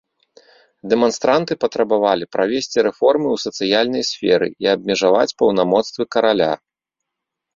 Дэманстранты патрабавалі правесці рэформы ў сацыяльнай сферы і абмежаваць паўнамоцтвы караля.